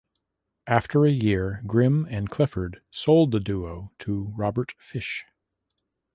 After a year, Grimm and Clifford sold the duo to Robert Fish.